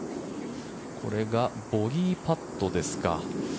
これがボギーパットですか。